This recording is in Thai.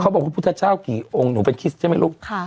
บอกว่าพระพุทธเจ้ากี่องค์หนูเป็นคริสต์ใช่ไหมลูก